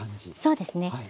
そうですね。